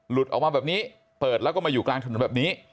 ออกมาแบบนี้เปิดแล้วก็มาอยู่กลางถนนแบบนี้